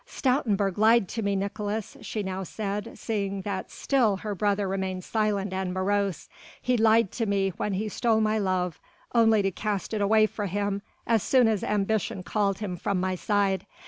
"Stoutenburg lied to me, Nicolaes," she now said, seeing that still her brother remained silent and morose, "he lied to me when he stole my love, only to cast it away from him as soon as ambition called him from my side.